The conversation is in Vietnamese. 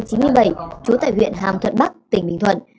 trú tại huyện hàm thuận bắc tỉnh bình thuận